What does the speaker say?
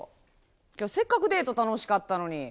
きょうせっかくデート楽しかったのに。